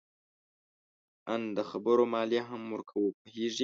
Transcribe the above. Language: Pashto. آن د خبرو مالیه هم ورکوو. پوهیږې؟